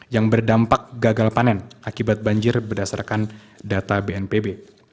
yang berdampak gagal panen akibat banjir berdasarkan data bnpb